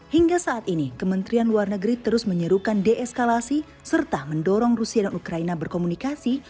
hingga saat ini kementerian luar negeri terus menyerukan deeskalasi serta mendorong rusia dan ukraina berkomunikasi